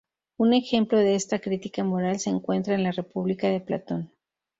Un ejemplo de esta crítica moral se encuentra en "La República" de Platón.